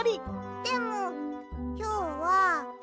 でもきょうは。